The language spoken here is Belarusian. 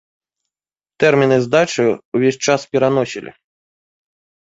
Тэрміны здачы ўвесь час пераносілі.